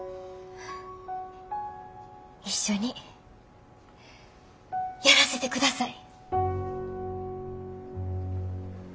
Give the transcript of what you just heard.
一緒にやらせてください。